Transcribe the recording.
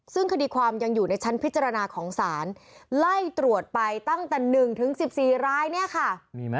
ซึ่งคดีความยังอยู่ในชั้นพิจารณาของศาลไล่ตรวจไปตั้งแต่๑๑๔รายเนี่ยค่ะ